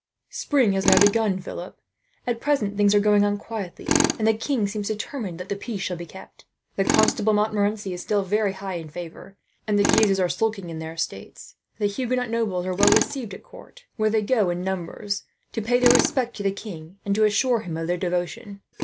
"Spring has now begun, Philip. At present things are going on quietly, and the king seems determined that the peace shall be kept. The Constable Montmorency is still very high in favour, and the Guises are sulking on their estates. The Huguenot nobles are all well received at court, where they go in numbers, to pay their respect to the king and to assure him of their devotion.